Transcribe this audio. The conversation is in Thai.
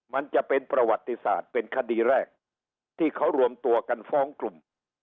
มันจะเป็นประวัติศาสตร์เป็นคดีแรกที่เขารวมตัวกันฟ้องกลุ่ม